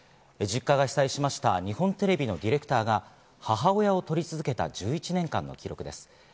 実家が被災しました日本テレビのディレクターが母親を撮り続けた１１年間の記録です。